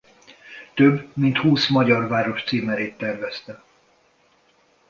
Több mint húsz magyar város címerét tervezte.